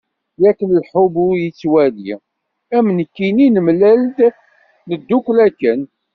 Yak lḥubb ur yettwali, am nekkini, nemlal-d neddukel akken.